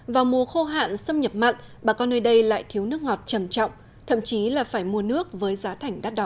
vào mùa khô hạn xâm nhập mặn bà con nơi đây lại thiếu nước ngọt trầm trọng thậm chí là phải mua nước với giá thảnh đắt đỏ